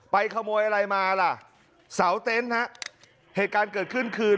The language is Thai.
ขโมยอะไรมาล่ะเสาเต็นต์ฮะเหตุการณ์เกิดขึ้นคืน